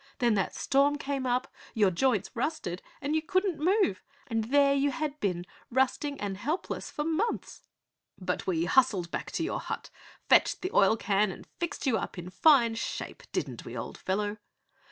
Then that storm came up, your joints rusted and you couldn't move, and there you had been rusting and helpless for months!" "But we hustled back to your hut, fetched the oil can and fixed you up in fine shape, didn't we, old fellow?"